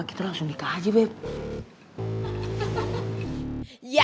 tentang kalo kebidulan gitu sekalian terus tidurnya